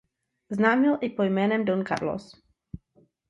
Znám byl i pod jménem „Don Carlos“.